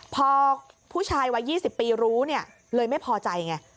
พอผู้ชายวัย๒๐ปีรู้เนี่ยเลยไม่พอใจไง